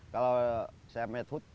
kalau saya mat foot